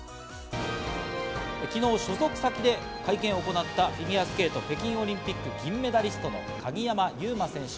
昨日、所属先で会見を行ったフィギュアスケート北京オリンピック銀メダリストの鍵山優真選手。